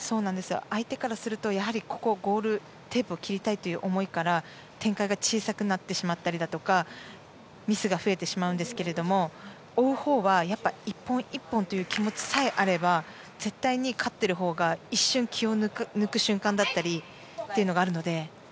相手からするとゴールテープを切りたいという思いから展開が小さくなってしまったりだとかミスが増えてしまうんですけれども追うほうは１本１本という気持ちさえあれば絶対に勝っているほうが一瞬、気を抜く瞬間があるので。